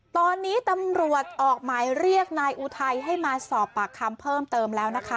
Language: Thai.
ตอนนี้ตำรวจออกหมายเรียกนายอุทัยให้มาสอบปากคำเพิ่มเติมแล้วนะคะ